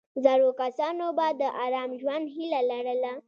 زړو کسانو به د آرام ژوند هیله لرله.